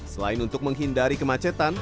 selain untuk menghindari kemacetan